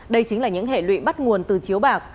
đây chính là những hệ lụy bắt nguồn từ chiếu bạc